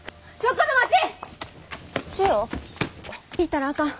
行ったらあかん。